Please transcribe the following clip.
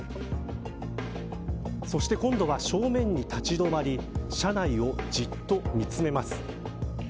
そして今度は正面に立ち止まり車内をじっと見つめます。